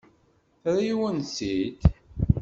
Terra-yawen-tt-id?